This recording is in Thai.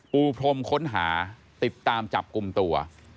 ปูพรมค้นหาติดตามจับกลุ่มตัว